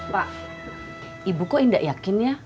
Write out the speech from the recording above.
pak ibu kok tidak yakin ya